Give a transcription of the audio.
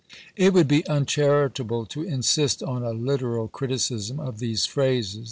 Jt would be uncharitable to insist on a literal criticism of these phrases.